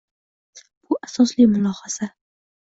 Bu asosli mulohaza